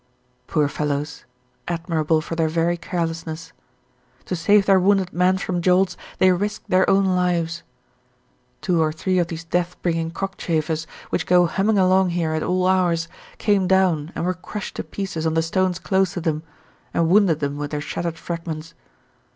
Poor fellows, admirable for their very carelessness. To save their wounded man from jolts they risked their own lives. Two or three of these death bringing cockchafers, which go humming along here at all hours, came down and were crushed to pieces on the stones close to them, and wounded them with their shattered fragments.